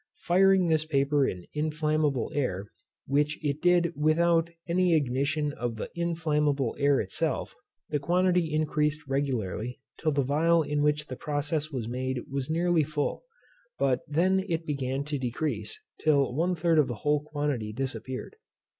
Firing this paper in inflammable air, which it did without any ignition of the inflammable air itself, the quantity increased regularly, till the phial in which the process was made was nearly full; but then it began to decrease, till one third of the whole quantity disappeared.